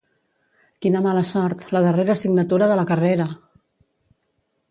Quina mala sort, la darrera assignatura de la carrera!